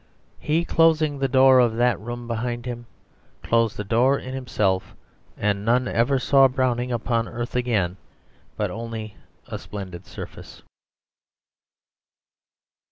He, closing the door of that room behind him, closed a door in himself, and none ever saw Browning upon earth again but only a splendid surface.